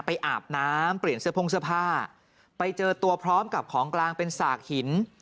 อาบน้ำเปลี่ยนเสื้อโพ่งเสื้อผ้าไปเจอตัวพร้อมกับของกลางเป็นสากหิน